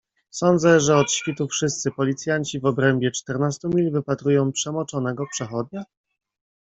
"Sądzę, że od świtu wszyscy policjanci w obrębie czternastu mil wypatrują przemoczonego przechodnia?"